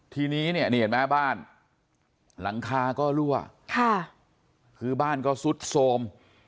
ทีนี้เนี่ยนี่เห็นไหมบ้านหลังคาก็รั่วค่ะคือบ้านก็ซุดโทรม